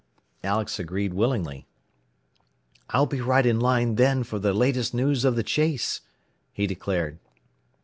Alex agreed willingly. "I'll be right in line then for the latest news of the chase," he declared.